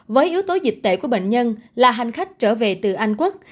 với yếu tố dịch tễ của bệnh nhân là hành khách trở về từ anh quốc